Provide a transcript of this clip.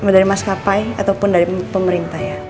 dari maskapai ataupun dari pemerintah ya